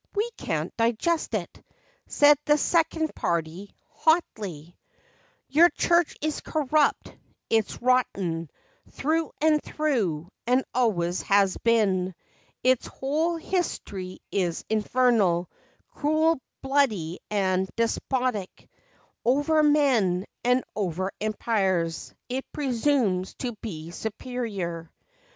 We can't digest it," Said the second party, hotly. "Your church is corrupt, it's rotten, Through and through, and always has been; Its whole hist'ry is infernal, Cruel, bloody, and despotic, Over men, and over empires; It presumes to be superior 124 FACTS AND FANCIES.